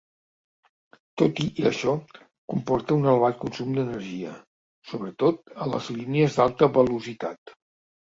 Tot i això, comporta un elevat consum d'energia, sobretot a les línies d'alta velocitat.